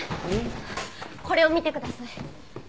これを見てください。